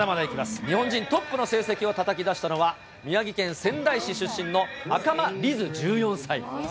日本人トップの成績をたたき出したのは、宮城県仙台市出身の赤間凛音１４歳。